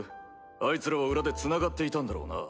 あいつらは裏で繋がっていたんだろうな。